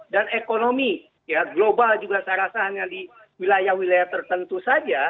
dan ekonomi global juga saya rasanya di wilayah wilayah tertentu saja